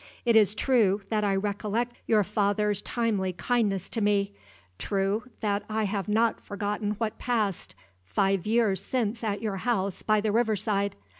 It is true that I recollect your father's timely kindness to me true that I have not forgotten what passed, five years since at your house by the river side.